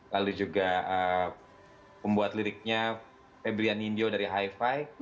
lalu juga pembuat liriknya febrian indjo dari hi fi